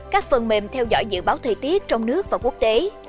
các phần mềm theo dõi dự báo thời tiết trong nước và quốc tế